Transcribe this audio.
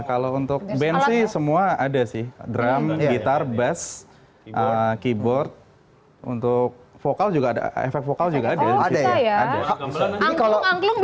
kalau untuk benci semua ada sih drum gitar bass keyboard untuk vokal juga ada efek vokal juga ada